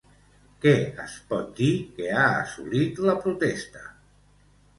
Què es pot dir que ha assolit la protesta?